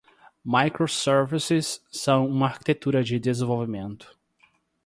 Microservices são uma arquitetura de desenvolvimento.